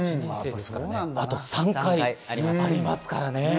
あと３回ありますからね。